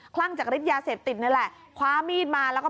คลั่งจากฤทธิ์ยาเสพติดนั่นแหละ